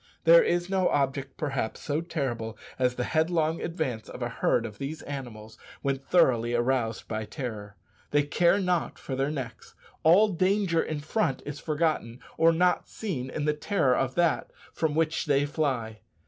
There is no object, perhaps, so terrible as the headlong advance of a herd of these animals when thoroughly aroused by terror. They care not for their necks. All danger in front is forgotten, or not seen, in the terror of that from which they fly.